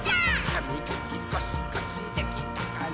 「はみがきゴシゴシできたかな？」